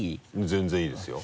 全然いいですよ。